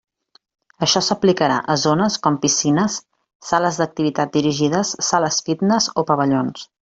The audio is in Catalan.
Això s'aplicarà a zones com piscines, sales d'activitats dirigides, sales fitness o pavellons.